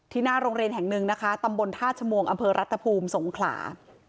ที่หน้าโรงเรียนแห่งหนึ่งนะคะตำบลธาตุชมวงอรัฐภูมิสงขลา